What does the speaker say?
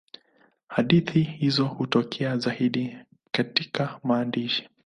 Hadithi hizi hutokea zaidi katika maandishi.